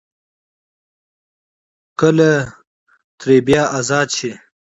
کله ترې بيا ازاد شي ـ